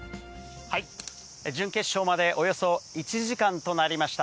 準決勝までおよそ１時間となりました。